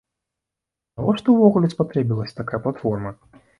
Навошта ўвогуле спатрэбілася такая платформа?